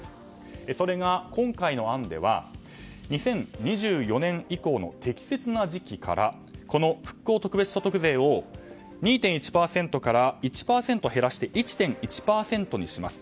それが、今回の案では２０２４年以降の適切な時期からこの復興特別所得税を２．１％から１％減らして１．１％にします。